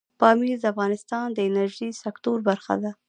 پامیر د افغانستان د انرژۍ سکتور برخه ده.